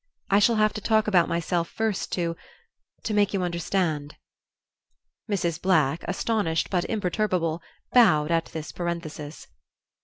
I shall have to talk about myself first to to make you understand." Mrs. Black, astonished but imperturbable, bowed at this parenthesis.